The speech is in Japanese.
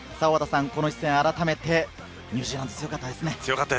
この一戦、改めてニュージーランド強かったですね。